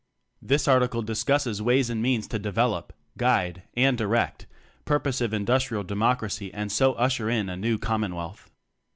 This article discusses ways and means to develop, guide and di rect purposive industrial democracy and so usher in a new commonwealth.